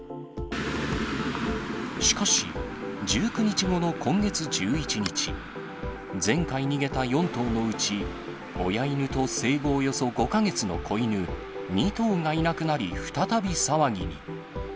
しかし、１９日後の今月１１日、前回逃げた４頭のうち、親犬と生後およそ５か月の子犬２頭がいなくなり、再び騒ぎに。